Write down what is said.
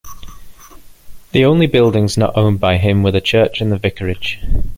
The only buildings not owned by him were the church and the vicarage.